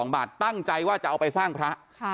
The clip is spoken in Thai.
๒บาทตั้งใจว่าจะเอาไปสร้างพระ